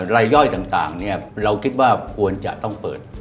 รายย่อยต่างเราคิดว่าควรจะต้องเปิด